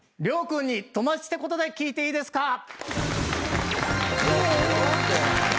涼くんに友達ってことで聞いていいですか？